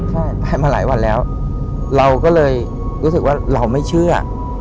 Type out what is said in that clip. ใช่ไปมาหลายวันแล้วเราก็เลยรู้สึกว่าเราไม่เชื่อ